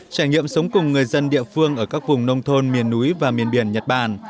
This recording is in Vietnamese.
trải nghiệm sống cùng người dân địa phương ở các vùng nông thôn miền núi và miền biển nhật bản